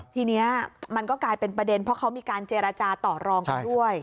ทีนี้มันก็กลายเป็นประเด็นเพราะเขามีการเจรจาต่อรองกันด้วย